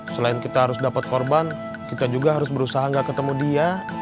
selain kita harus dapat korban kita juga harus berusaha gak ketemu dia